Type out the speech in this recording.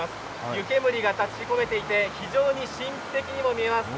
湯煙が立ち込めていて非常に神秘的にも見えます。